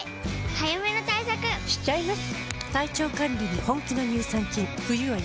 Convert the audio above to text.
早めの対策しちゃいます。